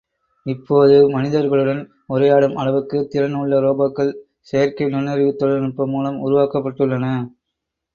இப்போது மனிதர்களுடன் உரையாடும் அளவுக்கு திறன் உள்ள ரோபோக்கள் செயற்கை நுண்ணறிவுத் தொழில்நுட்பம் மூலம் உருவாக்கப்பட்டுள்ளன.